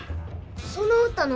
その歌何？